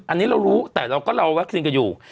อันนี้เรารู้แต่เราก็รอวัคซีนกันอยู่